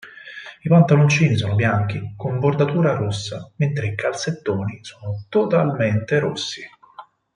I pantaloncini sono bianchi con bordatura rossa, mentre i calzettoni sono totalmente rossi.